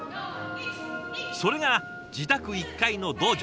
それが自宅１階の道場。